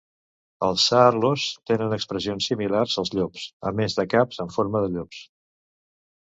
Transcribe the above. Els Saarloos tenen expressions similars als llops, a més de caps en forma de llops.